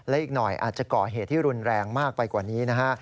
และอีกหน่อยอาจจะก่อเหตุที่รุนแรงมากไปกว่านี้นะฮะ